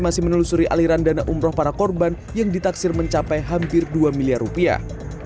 masih menelusuri aliran dana umroh para korban yang ditaksir mencapai hampir dua miliar rupiah